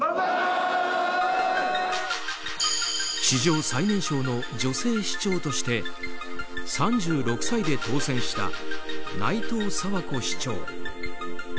史上最年少の女性市長として３６歳で当選した内藤佐和子市長。